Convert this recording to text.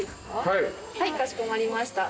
はいかしこまりました。